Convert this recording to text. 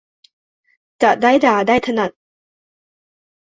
จะได้ด่าได้ถนัด